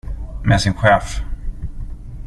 Med sin chef.